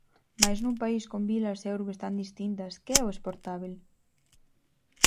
Mais nun país con vilas e urbes tan distintas, que é o "exportábel"?